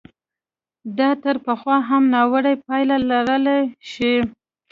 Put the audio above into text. دا تر پخوا هم ناوړه پایلې لرلای شي.